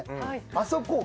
あそこを。